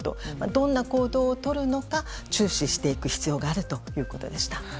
どんな行動をとるのか注視していく必要があるということでした。